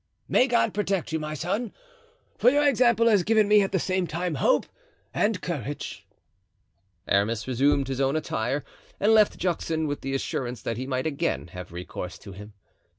"May God protect you, my son; for your example has given me at the same time hope and courage." Aramis resumed his own attire and left Juxon with the assurance that he might again have recourse to him.